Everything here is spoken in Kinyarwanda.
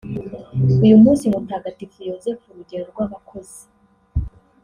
Uyu munsi Mutagatifu Yozefu urugero rw’abakozi